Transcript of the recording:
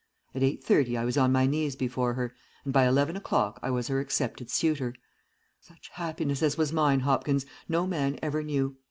At eight thirty I was on my knees before her, and by eleven o'clock I was her accepted suitor. Such happiness as was mine, Hopkins, no man ever knew.